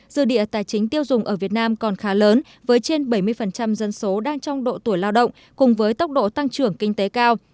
dư địa tài chính tiêu dùng ở việt nam còn khá lớn với trên bảy mươi dân số đang trong độ tuổi lao động cùng với tốc độ tăng trưởng kinh tế cao